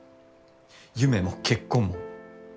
夢も結婚も。